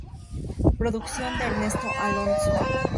Producción de Ernesto Alonso.